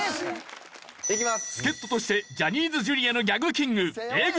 助っ人としてジャニーズＪｒ．のギャグキングＡぇ！